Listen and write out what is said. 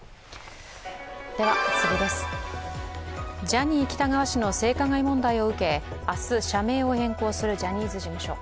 ジャニー喜多川氏の性加害問題を受け、明日社名を変更するジャニーズ事務所。